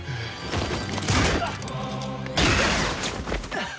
あっ！